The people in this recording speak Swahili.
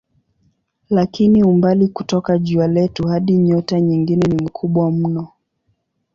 Lakini umbali kutoka jua letu hadi nyota nyingine ni mkubwa mno.